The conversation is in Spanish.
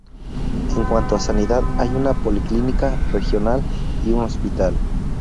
En cuanto a Sanidad, hay una policlínica regional y un hospital.